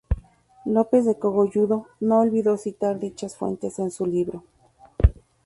López de Cogolludo no olvidó citar dichas fuentes en su libro.